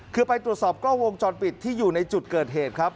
คือไปตรวจสอบกล้องวงจรปิดที่อยู่ในจุดเกิดเหตุครับ